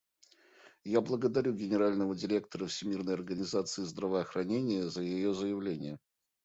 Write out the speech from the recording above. Я благодарю Генерального директора Всемирной организации здравоохранения за ее заявление.